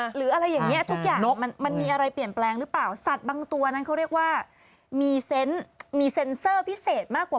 ถูกหลักอาหร่ายปลาน้อยลอยขึ้นมา